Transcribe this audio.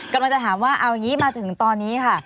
กำลังจะถามว่ามันมาจนถึงตอนนี้